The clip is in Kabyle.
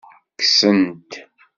Kksen-t.